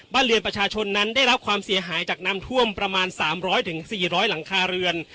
เรือนประชาชนนั้นได้รับความเสียหายจากน้ำท่วมประมาณ๓๐๐๔๐๐หลังคาเรือน